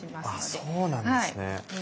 あっそうなんですね。